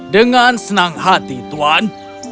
dengan senang hati tuan